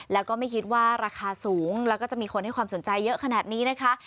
แล้วก็ไม่คิดว่าราคาสูงแล้วก็จะมีคนให้ความสนใจเยอะขนาดนี้นะคะ